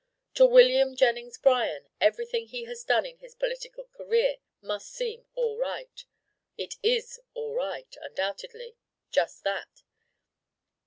To William Jennings Bryan everything he has done in his political career must seem all right. It is all right, undoubtedly. Just that.